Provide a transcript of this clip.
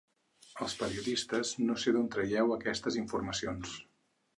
Els periodistes no sé d’on traieu aquestes informacions.